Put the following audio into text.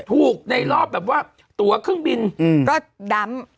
ในรอบแบบว่าตัวเครื่องบินก็ดำ